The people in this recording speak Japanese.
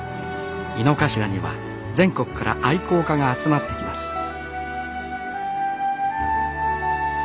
猪之頭には全国から愛好家が集まってきます